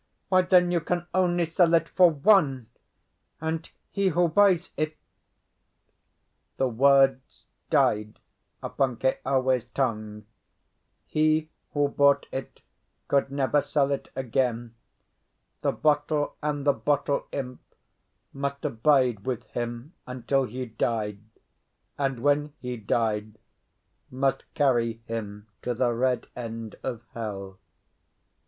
Why, then, you can only sell it for one. And he who buys it—" The words died upon Keawe's tongue; he who bought it could never sell it again, the bottle and the bottle imp must abide with him until he died, and when he died must carry him to the red end of hell.